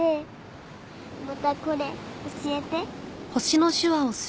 またこれ教えて。